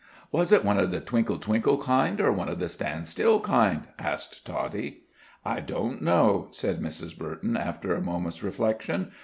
"Was it one of the twinkle twinkle kind, or one of the stand still kind?" asked Toddie. "I don't know," said Mrs. Burton, after a moment's reflection.